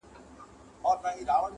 • شیطان قوي دی د ملایانو -